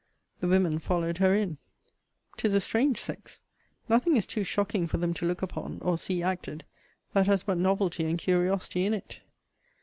The women followed her in. 'Tis a strange sex! Nothing is too shocking for them to look upon, or see acted, that has but novelty and curiosity in it.